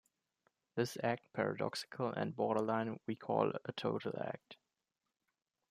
This act, paradoxical and borderline, we call a total act.